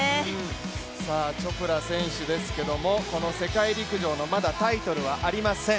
チョプラ選手ですけども、この世界陸上まだタイトルはありません。